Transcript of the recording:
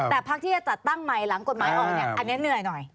แต่พักที่จะจัดตั้งใหม่หลังกฎหมายออกเนี่ยอันนี้เหนื่อยหน่อย